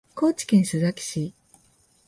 高知県須崎市